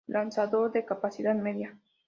Lanzador de capacidad media.